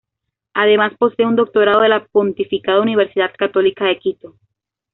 Además posee un Doctorado de la Pontificia Universidad Católica de Quito.